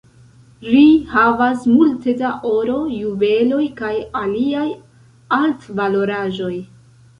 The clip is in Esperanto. Ri havas multe da oro, juveloj kaj aliaj altvaloraĵoj.